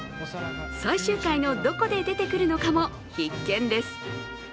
最終回のどこで出てくるのかも必見です。